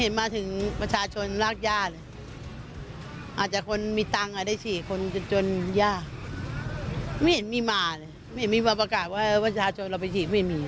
ยังรออยู่ยังรออยู่ยังรออยู่ยังมีพร้อมหวังไหม